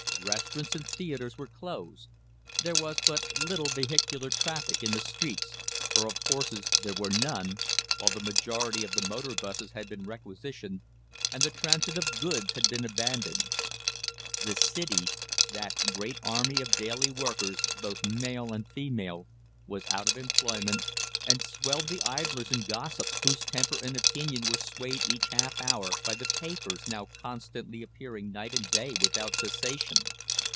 Restaurants and theatres were closed; there was but little vehicular traffic in the streets, for of horses there were none, while the majority of the motor 'buses had been requisitioned, and the transit of goods had been abandoned. "The City," that great army of daily workers, both male and female, was out of employment, and swelled the idlers and gossips, whose temper and opinion were swayed each half hour by the papers now constantly appearing night and day without cessation.